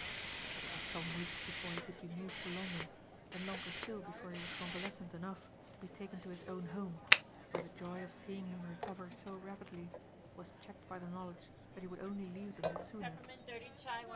But it was some weeks before he could be moved to London, and longer still before he was convalescent enough to be taken to his own home, where the joy of seeing him recover so rapidly was checked by the knowledge that he would only leave them the sooner.